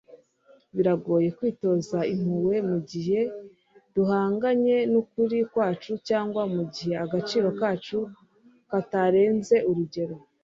biragoye kwitoza impuhwe mugihe duhanganye nukuri kwacu cyangwa mugihe agaciro kacu katarenze urugero